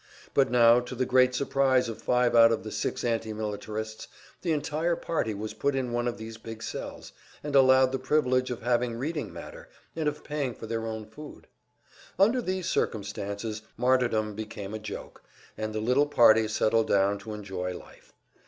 But now, to the great surprise of five out of the six anti militarists, the entire party was put in one of these big cells, and allowed the privilege of having reading matter and of paying for their own food. Under these circumstances martyrdom became a joke, and the little party settled down to enjoy life.